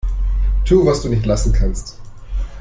Tu, was du nicht lassen kannst.